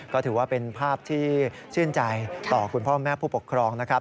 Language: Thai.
ก็ถือว่าเป็นภาพที่ชื่นใจต่อคุณพ่อแม่ผู้ปกครองนะครับ